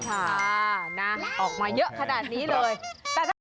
ค่ะนะออกมาเยอะขนาดนี้เลย